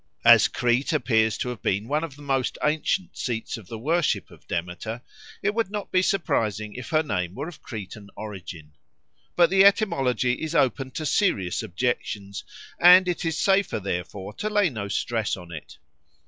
As Crete appears to have been one of the most ancient seats of the worship of Demeter, it would not be surprising if her name were of Cretan origin. But the etymology is open to serious objections, and it is safer therefore to lay no stress on it.